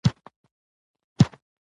• یو ښه ساعت ارزښت لري.